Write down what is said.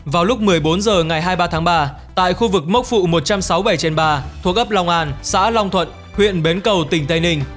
vào lúc một mươi bốn h ngày hai mươi ba tháng ba tại khu vực mốc phụ một trăm sáu mươi bảy trên ba thuộc ấp long an xã long thuận huyện bến cầu tỉnh tây ninh